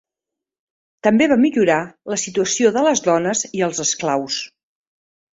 També va millorar la situació de les dones i els esclaus.